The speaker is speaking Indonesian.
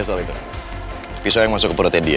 soal itu pisau yang masuk ke perutnya dia